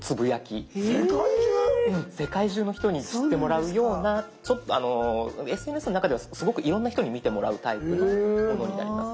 世界中の人に知ってもらうようなＳＮＳの中ではすごくいろんな人に見てもらうタイプのものになります。